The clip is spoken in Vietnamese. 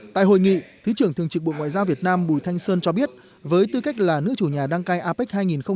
tại hội nghị thứ trưởng thường trực bộ ngoại giao việt nam bùi thanh sơn cho biết với tư cách là nước chủ nhà đăng cai apec hai nghìn hai mươi